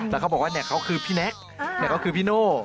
แล้วเขาบอกว่าเนี่ยเขาคือพี่แน็กเนี่ยเขาคือพี่โน่